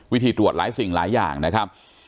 วิธีตรวจหลายสิ่งหลายอย่างนะครับ